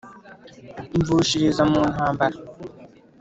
mvushiliza mu ntambara,